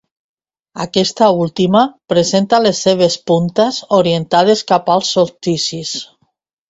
Aquesta última presenta les seves puntes orientades cap als solsticis.